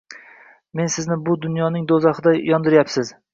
Siz meni bu dunyoning do`zaxida yondiryapsiz